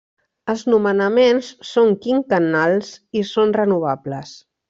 Els nomenaments són quinquennals i són renovables.